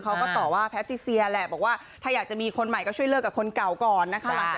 เขาก็ตอบว่าถ้าอยากจะมีคนใหม่ก็ช่วยเลิกกับคนเก่าก่อนนะ